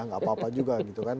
nggak apa apa juga gitu kan